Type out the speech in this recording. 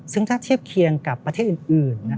ซึ่งถ้าเทียบเคียงกับประเทศอื่น